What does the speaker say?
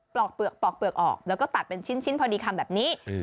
ปลอกเปลือกออกแล้วก็ตัดเป็นชิ้นพอดีคำแบบนี้